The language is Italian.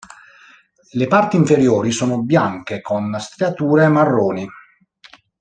Le parti inferiori sono bianche con striature marroni.